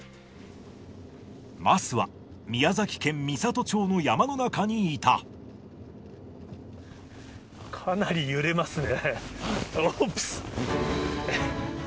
桝は宮崎県美郷町の山の中にかなり揺れますね。